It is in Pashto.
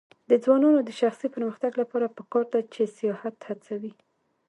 د ځوانانو د شخصي پرمختګ لپاره پکار ده چې سیاحت هڅوي.